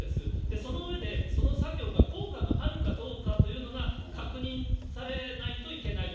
その上で、その作業が効果があるかどうかというのが、確認されないといけないと。